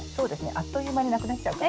あっという間になくなっちゃうかも。